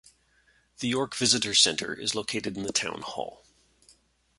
The York Visitor Centre is located in the Town Hall.